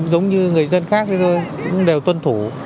giống như người dân khác thôi cũng đều tuân thủ